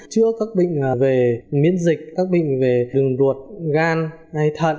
chữa các bệnh về miễn dịch các bệnh về đường ruột gan hay thận